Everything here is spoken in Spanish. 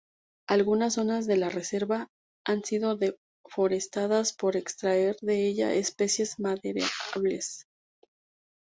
Algunas zonas de la reserva han sido deforestadas para extraer de ellas especies maderables.